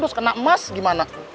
terus kena emas gimana